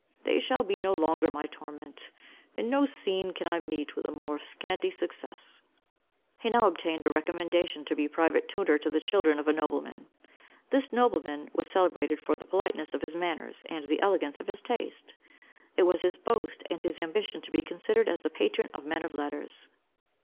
They shall be no longer my torment. In no scene can I meet with a more scanty success." He now obtained a recommendation to be private tutor to the children of a nobleman. This nobleman was celebrated for the politeness of his manners and the elegance of his taste. It was his boast and his ambition to be considered as the patron of men of letters.